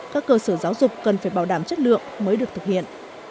các cơ sở giáo dục cần phải bảo đảm chất lượng mới được thực hiện